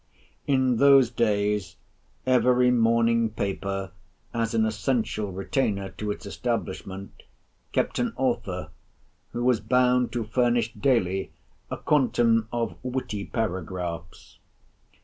In those days every Morning Paper, as an essential retainer to its establishment, kept an author, who was bound to furnish daily a quantum of witty paragraphs.